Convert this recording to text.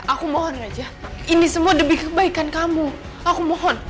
aku mohon aja ini semua demi kebaikan kamu aku mohon